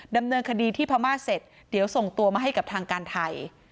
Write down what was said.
ดำเนินคดีที่พม่าเสร็จเดี๋ยวส่งตัวมาให้กับทางการไทย